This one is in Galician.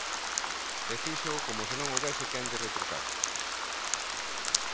E fíxoo como se non houbese quen lle retrucase.